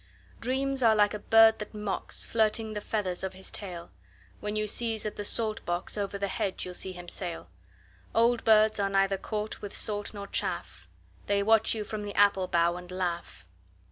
Dreams are like a bird that mocks, Flirting the feathers of his tail. When you sieze at the salt box, Over the hedge you'll see him sail. Old birds are neither caught with salt nor chaff: They watch you from the apple bough and laugh.